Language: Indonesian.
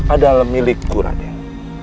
adalah milikku raden